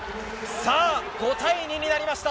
さあ、５対２になりました。